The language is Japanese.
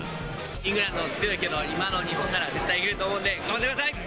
イングランド強いけど、今の日本なら絶対いけると思うんで、頑張ってください！